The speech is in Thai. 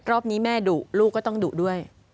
รอบนี้แม่ดุลูกก็ต้องดุด้วย